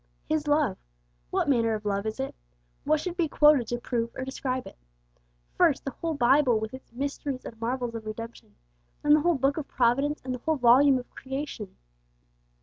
His love! What manner of love is it? What should be quoted to prove or describe it? First the whole Bible with its mysteries and marvels of redemption, then the whole book of Providence and the whole volume of creation.